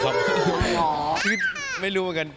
คิดไม่รู้กัน